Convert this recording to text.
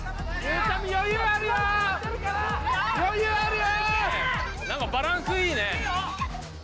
・余裕あるよ！